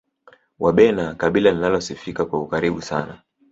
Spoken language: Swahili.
wabena kabila linalosifika kwa ukaribu sana